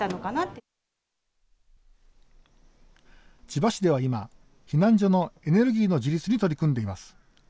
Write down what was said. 千葉市では今避難所のエネルギーの自立に取り組んでいます。